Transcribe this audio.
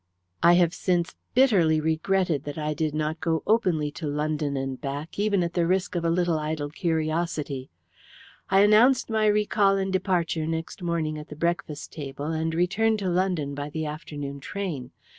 I have since bitterly regretted that I did not go openly to London and back, even at the risk of a little idle curiosity. "I announced my recall and departure next morning at the breakfast table, and returned to London by the afternoon train.